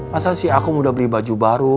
masa sih aku udah beli baju baru